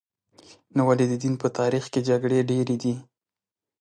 نو ولې د دین په تاریخ کې جګړې ډېرې دي؟